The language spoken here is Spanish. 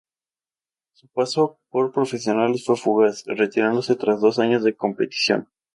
Su paso por profesionales fue fugaz, retirándose tras dos años de competición.